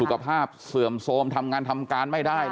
ภาพเสื่อมโทรมทำงานทำการไม่ได้